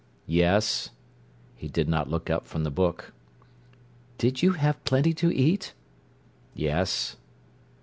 "Yes." He did not look up from the book. "Did you have plenty to eat?" "Yes."